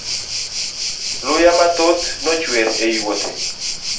Luya mathoth nochwer e yuothe.